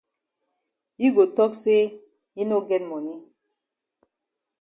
Yi go tok say yi no get moni.